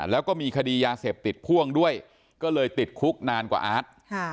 แล้วก็มีคดียาเสพติดพ่วงด้วยก็เลยติดคุกนานกว่าอาร์ต